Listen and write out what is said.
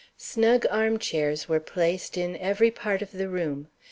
Snug arm chairs were placed in every part of the room.